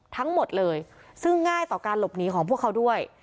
ทั้งหมดเลยซึ่งง่ายต่อการหลบหนีของพวกเขาด้วย